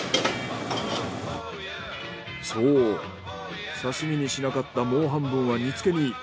そう刺身にしなかったもう半分は煮付けに。